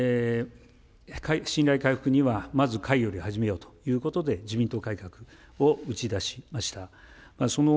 信頼回復には、まず櫂より始めよということで、自民党改革を打ち出しました。